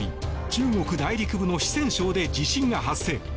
中国内陸部の四川省で地震が発生。